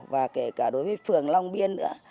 và kể cả đối với phường long biên nữa